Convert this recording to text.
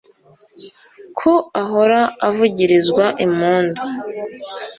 ko ahora avugirizwa impundu